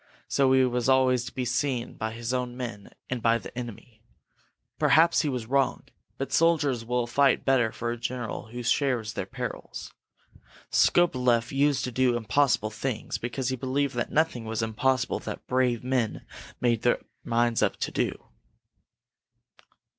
So he was always to be seen by his own men and by the enemy. Perhaps he was wrong, but soldiers will fight better for a general who shares their perils. Skobeleff used to do impossible things, because he believed that nothing was impossible that brave men made up their minds to do."